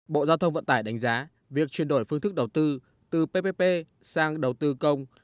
bộ giao thông vận tải đánh giá việc chuyển đổi phương thức đầu tư từ ppp sang đầu tư công